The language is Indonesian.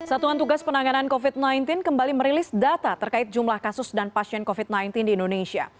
satuan tugas penanganan covid sembilan belas kembali merilis data terkait jumlah kasus dan pasien covid sembilan belas di indonesia